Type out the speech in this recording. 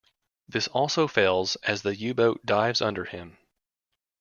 This also fails as the U-boat dives under him.